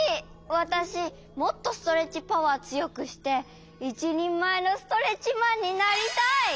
わたしもっとストレッチパワーつよくしていちにんまえのストレッチマンになりたい！